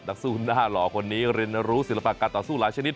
นักสู้หน้าหล่อคนนี้เรียนรู้ศิลปะการต่อสู้หลายชนิด